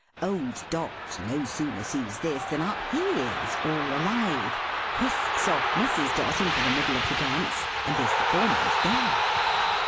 Old Dot no sooner sees this, than up he is, all alive, whisks off Mrs. Dot into the middle of the dance, and is the foremost there.